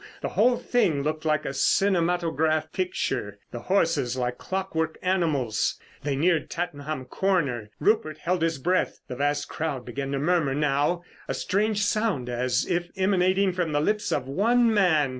The whole thing looked like a cinematograph picture; the horses like clockwork animals. They neared Tattenham Corner. Rupert held his breath. The vast crowd began to murmur now. A strange sound as if emanating from the lips of one man.